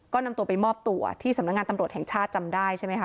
ก็นำตัวไปมอบตัวที่สำนักงานตำรวจแห่งชาติจำได้ใช่ไหมคะ